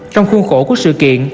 trong khuôn khổ của sự kiện